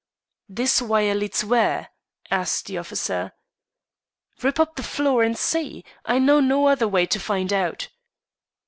"This wire leads where?" asked the officer. "Rip up the floor and see. I know no other way to find out."